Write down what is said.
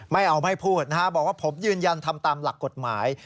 ไม่เอาไม่พูดนะฮะบอกว่าผมยืนยันทำตามหลักกฎหมาย